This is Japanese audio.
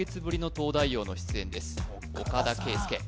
東大王の出演です岡田圭右